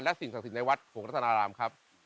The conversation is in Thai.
และสิ่งศักดิ์สิทธิ์ในวัดหงรัฐนารามครับ